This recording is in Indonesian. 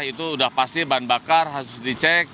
itu sudah pasti bahan bakar harus dicek